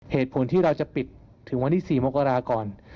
เหตุผลที่เราจะปิดถึงวันที่๔มกราก่อน